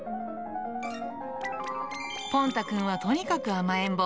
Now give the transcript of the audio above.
ぽん太くんはとにかく甘えん坊。